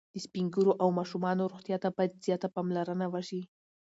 د سپین ږیرو او ماشومانو روغتیا ته باید زیاته پاملرنه وشي.